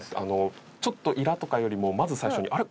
ちょっとイラッとかよりもまず最初にあれ？